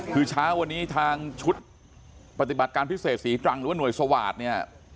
คือเช้าวันนี้ทางชุดปฏิบัติการพิเศษศรีตรังหรือว่าหน่วยสวาสตร์เนี่ย